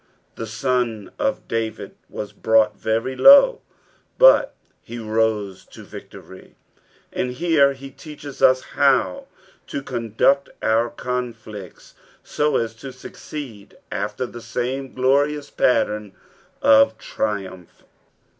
The Sod of David was brought very low, but he rose to victory; and here he teaches us how to conduct our conflicts so as to succeed after the same glorious pattern of tri umph.